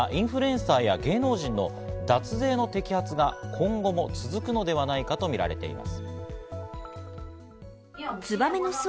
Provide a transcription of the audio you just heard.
中国ではこのようなインフルエンサーや芸能人の脱税の摘発が今後も続くのではないかとみられています。